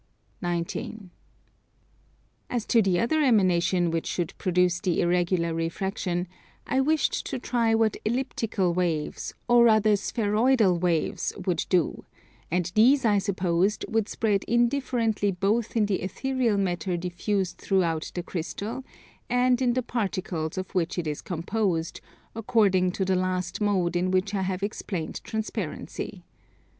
19. As to the other emanation which should produce the irregular refraction, I wished to try what Elliptical waves, or rather spheroidal waves, would do; and these I supposed would spread indifferently both in the ethereal matter diffused throughout the crystal and in the particles of which it is composed, according to the last mode in which I have explained transparency.